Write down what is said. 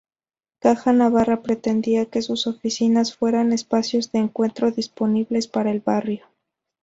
Caja Navarra pretendía que sus oficinas fueran espacios de encuentro disponibles para el barrio.